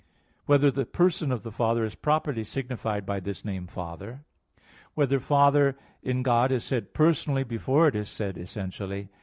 (2) Whether the person of the Father is properly signified by this name "Father"? (3) Whether "Father" in God is said personally before it is said essentially?